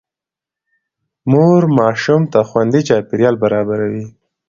مور ماشوم ته خوندي چاپېريال برابروي.